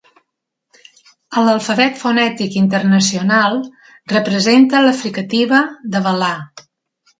A l'Alfabet Fonètic Internacional, representa la fricativa de velar.